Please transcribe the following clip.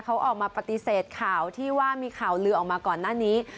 เขาออกมาปฏิเสธข่าวที่ว่ามีข่าวลือออกมาก่อนหน้านี้